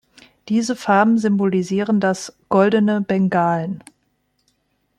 Diese Farben symbolisieren das „"Goldene Bengalen"“.